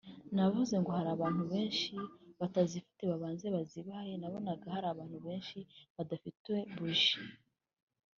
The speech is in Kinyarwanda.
navuze ngo hari abantu benshi batazifite babanze bazibahe nabonaga hari abantu benshi badafite buji